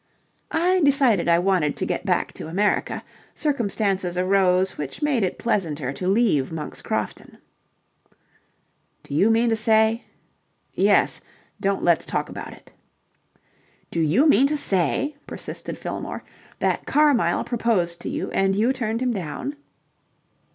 "I decided I wanted to get back to America. Circumstances arose which made it pleasanter to leave Monk's Crofton." "Do you mean to say...?" "Yes. Don't let's talk about it." "Do you mean to say," persisted Fillmore, "that Carmyle proposed to you and you turned him down?"